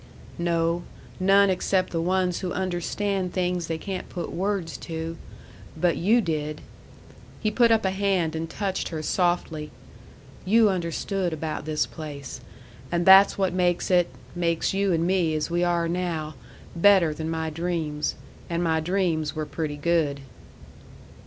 "No; none except the ones who understand things they can't put words to. But you did!" He put up a hand and touched her softly. "You understood about this place. And that's what makes it makes you and me as we are now better than my dreams. And my dreams were pretty good."